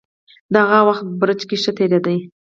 د هغه وخت په برج کې ښه تېرېده.